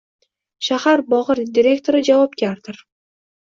Shahar bog’i direktori javobgardir…»